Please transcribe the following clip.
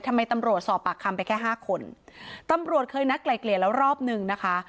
ทำไมตำรวจสอบปากคำไปแค่ห้าคนตำรวจเคยนัดไกลเกลี่ยแล้วรอบหนึ่งนะคะ